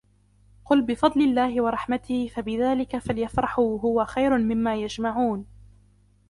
قل بفضل الله وبرحمته فبذلك فليفرحوا هو خير مما يجمعون